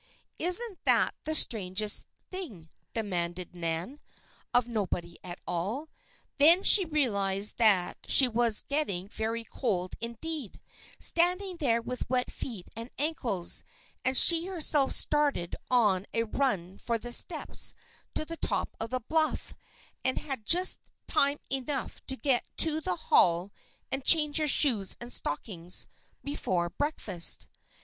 isn't that the strangest thing?" demanded Nan, of nobody at all. Then she realized that she was getting very cold indeed, standing there with wet feet and ankles, and she herself started on a run for the steps to the top of the bluff, and had just time enough to get to the Hall and change her shoes and stockings before breakfast.